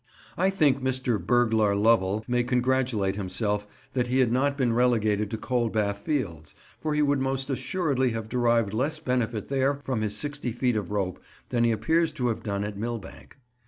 I think Mr. Burglar Lovell may congratulate himself that he had not been relegated to Coldbath Fields, for he would most assuredly have derived less benefit there from his sixty feet of rope than he appears to have done at Millbank.